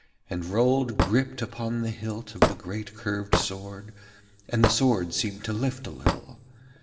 And Rold gripped upon the hilt of the great curved sword, and the sword seemed to lift a little.